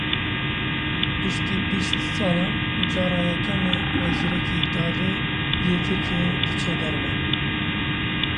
Piştî bîst salan cara yekem e wezîrekî dadê yê Tirkiyeyê diçe derve.